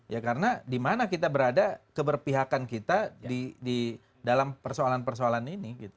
ya karena di mana kita berada keberpihakan kita di dalam persoalan persoalan ini